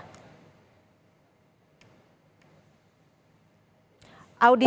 sudah adakah titik terang menurut anda